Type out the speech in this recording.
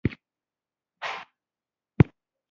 احمد يې په سترګو کې اغزی دی.